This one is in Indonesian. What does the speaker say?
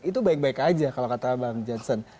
itu baik baik aja kalau kata bang jansen